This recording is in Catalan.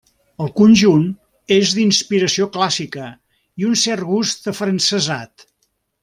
El conjunt és d'inspiració clàssica i un cert gust afrancesat.